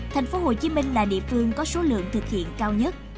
thành phố hồ chí minh là địa phương có số lượng thực hiện cao nhất